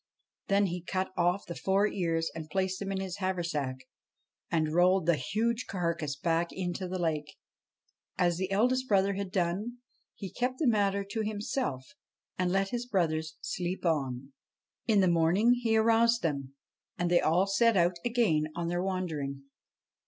Then he cut off the four ears and placed them in his haversack, and rolled the huge carcase back into the lake. As the eldest brother had done, he kept the matter to himself, and let his brothers sleep on. BASHTCHELIK In the morning he aroused them, and they all set out again on their wandering.